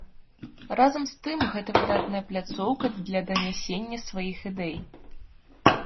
Разам з тым, гэта выдатная пляцоўка для данясення сваіх ідэй.